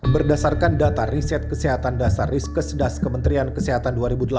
berdasarkan data riset kesehatan dasar riskesdas kementerian kesehatan dua ribu delapan belas